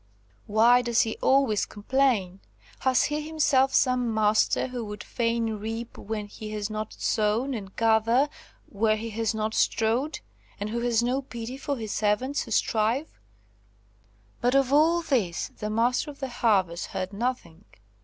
Why does he always complain? Has he himself some master, who would fain reap where he has not sown and gather where he has not strawed, and who has no pity for his servants who strive?" But all of this the Master of the Harvest heard nothing.